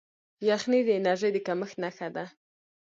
یخني د انرژۍ د کمښت نښه ده.